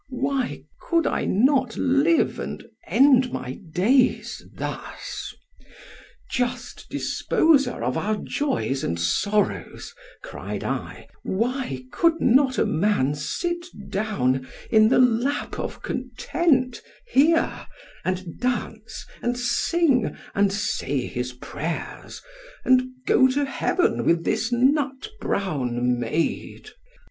——Why could I not live, and end my days thus? Just Disposer of our joys and sorrows, cried I, why could not a man sit down in the lap of content here——and dance, and sing, and say his prayers, and go to heaven with this nut brown maid?